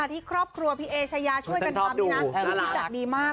ที่ครอบครัวพี่เอ๊ฉายาช่วยกันทำที่นักพี่พี่ดักดีมาก